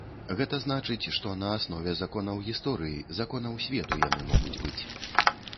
Гэта значыць, што на аснове законаў гісторыі, законаў свету яны могуць быць.